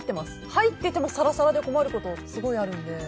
入っててもサラサラで困ること、すごいあるので。